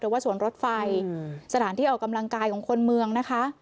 ว่าสวนรถไฟสถานที่ออกกำลังกายของคนเมืองนะคะ